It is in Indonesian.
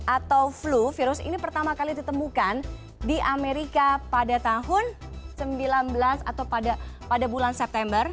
atau flu virus ini pertama kali ditemukan di amerika pada tahun sembilan belas atau pada bulan september